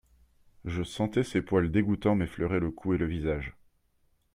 Je sentais ces poils dégoûtants m'effleurer le cou et le visage.